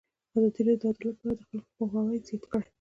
ازادي راډیو د عدالت په اړه د خلکو پوهاوی زیات کړی.